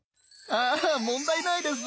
ああ問題ないです。